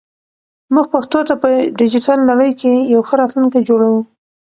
موږ پښتو ته په ډیجیټل نړۍ کې یو ښه راتلونکی جوړوو.